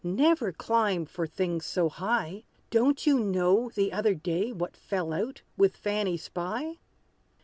Never climb for things so high. Don't you know, the other day, What fell out with Fanny Spy?